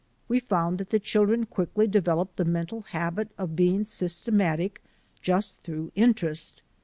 We found that the children quickly developed the mental habit of being systematic just through interest.